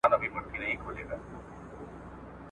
د مرګ غېږ ته ورغلی یې نادانه ,